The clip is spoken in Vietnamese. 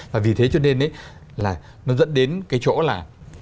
và vì thế cho nên là nó dẫn đến cái chỗ là